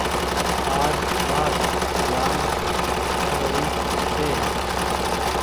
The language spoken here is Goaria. آج مآک جآم پڙري ڇي۔